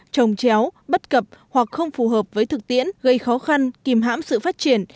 trồng chéo bất cập hoặc không phù hợp với thực tiễn gây khó khăn kìm hãm sự phát triển